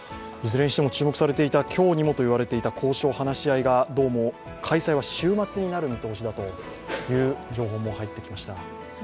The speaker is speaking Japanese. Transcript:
いずれにしても注目されていた今日にもという交渉、話し合いがどうも開催は週末になる見通しだという情報も入ってきました。